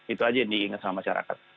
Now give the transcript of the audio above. itu aja yang diingat sama masyarakat